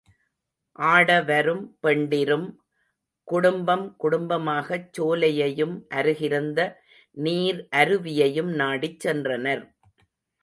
ஆட வரும் பெண்டிரும் குடும்பம் குடும்பமாகச் சோலையையும் அருகிருந்த நீர் அருவியையும் நாடிச் சென்றனர்.